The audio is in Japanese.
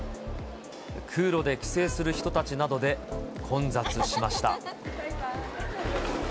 空路で帰省する人たちなどで混雑しました。